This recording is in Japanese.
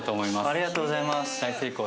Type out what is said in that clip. ありがとうございます。